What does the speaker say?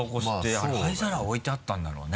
あれ灰皿置いてあったんだろうね